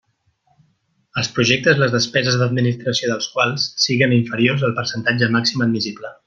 Els projectes les despeses d'administració dels quals siguen inferiors al percentatge màxim admissible.